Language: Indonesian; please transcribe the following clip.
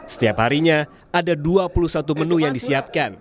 setiap harinya ada dua puluh satu menu yang disiapkan